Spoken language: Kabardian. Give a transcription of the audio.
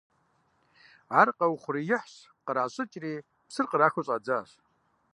Ар къаухъуреихьщ, къращӏыкӏри, псыр кърахыу щӏадзащ.